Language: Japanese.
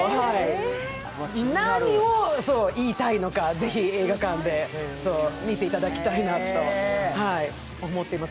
何を言いたいのか、ぜひ映画館で見ていただきたいと思っています。